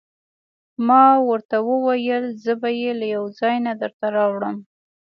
ما ورته وویل: زه به يې له یوه ځای نه درته راوړم.